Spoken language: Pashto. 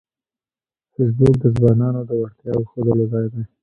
فېسبوک د ځوانانو د وړتیاوو ښودلو ځای دی